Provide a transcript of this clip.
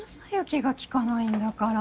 気が利かないんだから。